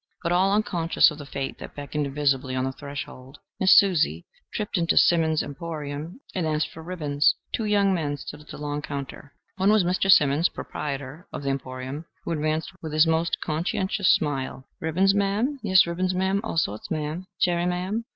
But, all unconscious of the Fate that beckoned invisibly on the threshold, Miss Susie tripped into "Simmons' Emporium" and asked for ribbons. Two young men stood at the long counter. One was Mr. Simmons, proprietor of the emporium, who advanced with his most conscientious smile: "Ribbons, ma'am? Yes, ma'am all sorts, ma'am. Cherry, ma'am?